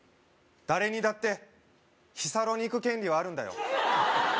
誰にだって日サロに行く権利はあるんだよ